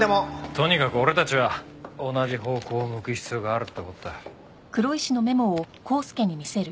とにかく俺たちは同じ方向を向く必要があるって事だ。